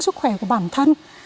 sức khỏe của bản thân